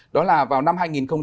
đó là vào năm hai nghìn hai mươi ba